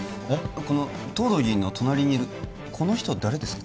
この藤堂議員の隣にいるこの人誰ですか？